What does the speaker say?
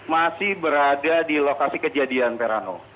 masih berada di lokasi kejadian ferano